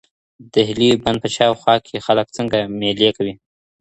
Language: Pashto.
د دهلې بند په شاوخوا کي خلګ څنګه مېلې کوي؟